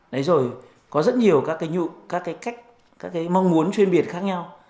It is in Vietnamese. đấy rồi có rất nhiều các cái cách các cái mong muốn chuyên biệt khác nhau